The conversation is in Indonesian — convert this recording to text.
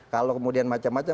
kalau kemudian macam macam